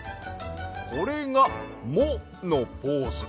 これが「モ」のポーズ。